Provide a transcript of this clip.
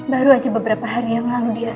baru aja beberapa hari yang lalu dia